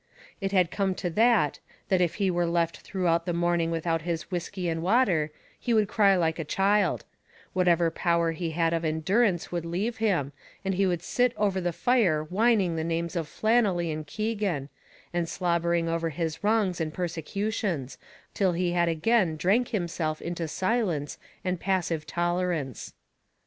It had come to that, that if he were left throughout the morning without his whiskey and water, he would cry like a child; whatever power he had of endurance would leave him, and he would sit over the fire whining the names of Flannelly and Keegan, and slobbering over his wrongs and persecutions, till he had again drank himself into silence and passive tolerance.